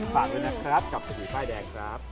ฝากด้วยนะครับกับเศรษฐีป้ายแดงครับ